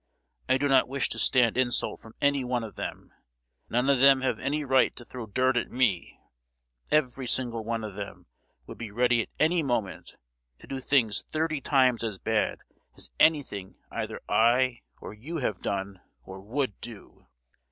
I do not wish to stand insult from any one of them; none of them have any right to throw dirt at me; every single one of them would be ready at any moment to do things thirty times as bad as anything either I or you have done or would do!